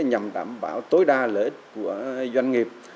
nhằm đảm bảo tối đa lợi ích của doanh nghiệp